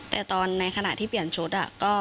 แต่ตอนในขณะที่เปลี่ยนชุด